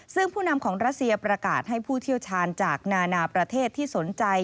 ซึ่งผู้นำของรัสเซียประกาศให้ผู้เชี่ยวชาญจากนานาประเทศที่สนใจ